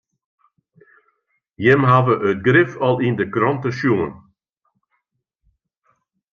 Jimme hawwe it grif al yn de krante sjoen.